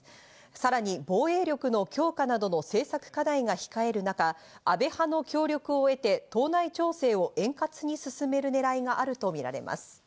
さらに防衛力の強化などの政策課題が控える中、安倍派の協力を得て党内調整を円滑に進めるねらいがあるとみられます。